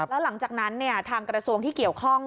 แล้วหลังจากนั้นทางกระทรวงที่เกี่ยวข้อง